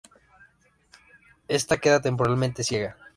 Ésta queda temporalmente ciega.